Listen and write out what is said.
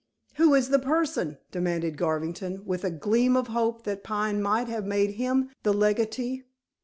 "Who is the person?" demanded Garvington, with a gleam of hope that Pine might have made him the legatee.